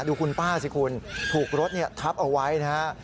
ดูคุณป้าสิคุณถูกรถทับเอาไว้นะฮะ